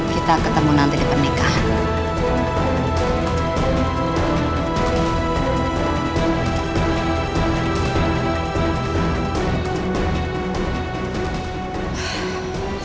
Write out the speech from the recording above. kita ketemu nanti di pernikahan